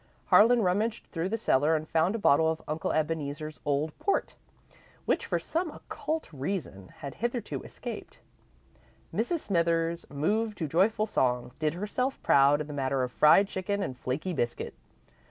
Harlan rummaged through the cellar and found a bottle of Uncle Ebeneezer's old port, which, for some occult reason, had hitherto escaped. Mrs. Smithers, moved to joyful song, did herself proud in the matter of fried chicken and flaky biscuit.